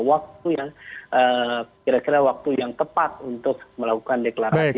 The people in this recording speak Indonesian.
waktu yang kira kira waktu yang tepat untuk melakukan deklarasi